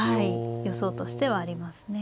予想としてはありますね。